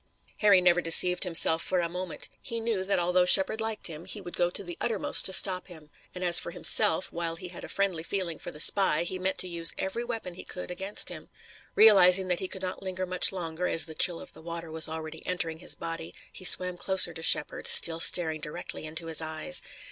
Harry never deceived himself for a moment. He knew that although Shepard liked him, he would go to the uttermost to stop him, and as for himself, while he had a friendly feeling for the spy, he meant to use every weapon he could against him. Realizing that he could not linger much longer, as the chill of the water was already entering his body, he swam closer to Shepard, still staring directly into his eyes.